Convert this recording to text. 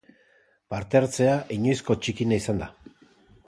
Parte-hartzea inoizko txikiena izan da.